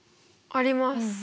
あります。